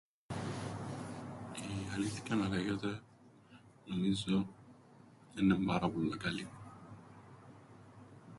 Η αλήθκεια να λέγεται, νομίζω έννεν' πάρα πολλά καλή.